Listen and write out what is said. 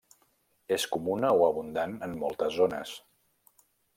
És comuna o abundant en moltes zones.